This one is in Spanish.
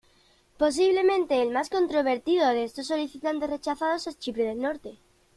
Posiblemente el más controvertido de estos solicitantes rechazados es Chipre del Norte.